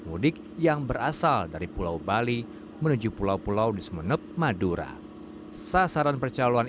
mudik yang berasal dari pulau bali menuju pulau pulau di sumeneb madura sasaran percaloan